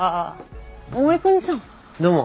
どうも。